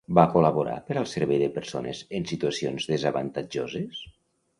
Va col·laborar per al Servei de Persones en Situacions Desavantatjoses?